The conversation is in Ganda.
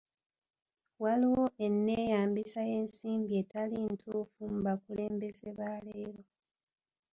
Waliwo enneeyambisa y'ensimbi etali ntuufu mu bakulembeze ba leero.